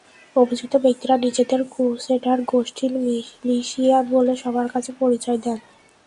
অভিযুক্ত ব্যক্তিরা নিজেদের ক্রুসেডার গোষ্ঠীর মিলিশিয়া বলে সবার কাছে পরিচয় দেন।